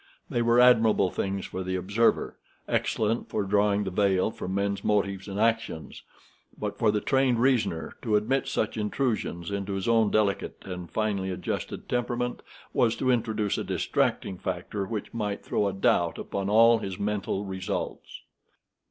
They were admirable things for the observer—excellent for drawing the veil from men's motives and actions. But for the trained reasoner to admit such intrusions into his own delicate and finely adjusted temperament was to introduce a distracting factor which might throw a doubt upon all his mental results.